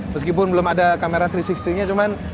meskipun belum ada kamera tiga ratus enam puluh nya cuman